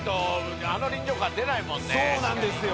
そうなんですよ。